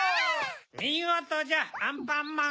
みごとじゃアンパンマン！